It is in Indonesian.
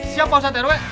siap pak ustaz doi